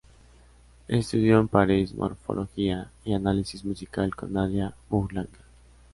Estudió en París Morfología y Análisis Musical con Nadia Boulanger.